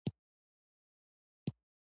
ایا ستاسو ورځ له برکته ډکه ده؟